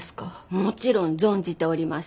もちろん存じております。